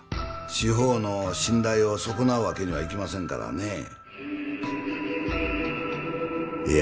司法の信頼を損なうわけにはいきませんからねええ